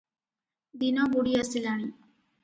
ଦିନ ବୁଡ଼ିଆସିଲାଣି ।